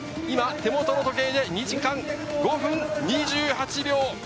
今、手元の時計で２時間５分２８秒。